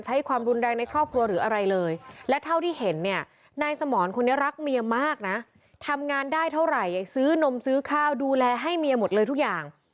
บอกว่ามีเสียงบอกว่ามีเสียง